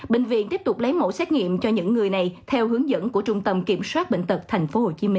bệnh viện tiếp tục lấy mẫu xét nghiệm cho những người này theo hướng dẫn của trung tâm kiểm soát bệnh tật tp hcm